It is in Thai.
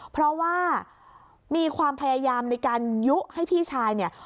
เพราะว่ามีความพยายามในการยุให้พี่ชายเนี่ย